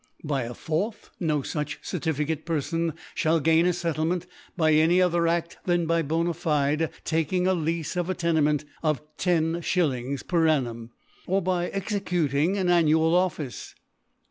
By a fourth i", no fuch Certificate Perfon ihall gain a Settlement by any other Ad:^ than by bona fide taking a Leafe of a Tene ment of I o /. per Annumy or by^executing an annual Office.